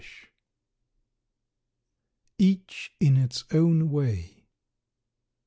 EACH IN ITS OWN WAY.